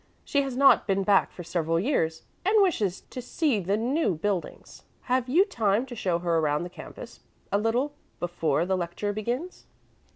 She has not been back for several years, and wishes to see the new buildings. Have you time to show her around the campus a little before the lecture begins?"